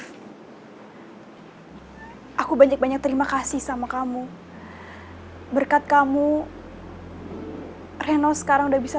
aku banyak banyak terima kasih sama kamu berkat kamu reno sekarang udah bisa